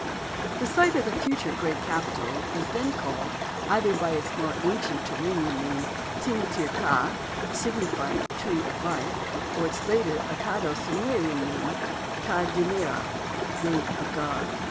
The site of the future great capital was then called either by its more ancient Turanian name, "Tin Tir ki," signifying The Tree of Life, or its later Accado Sumerian name, "Ka Dimmirra," Gate of God.